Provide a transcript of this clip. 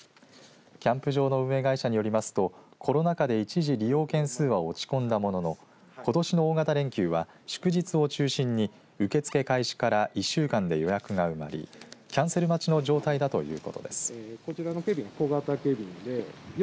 キャンプ場の運営会社によりますとコロナ禍で一時利用件数は落ち込んだもののことしの大型連休は祝日を中心に受け付け開始から１週間で予約が埋まりキャンセル待ちの状態だということです。